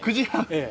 ええ。